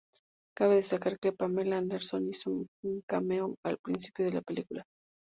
Cabe destacar que Pamela Anderson hizo un cameo al principio de la película.